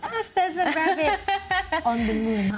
oh ada rabbits di bumi